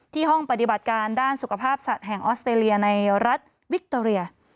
ห้องปฏิบัติการด้านสุขภาพสัตว์แห่งออสเตรเลียในรัฐวิคโตเรีย